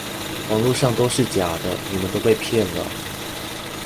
網路上都是假的，你們都被騙了